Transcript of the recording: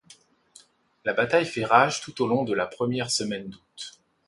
La bataille fait rage tout au long de la première semaine d'août.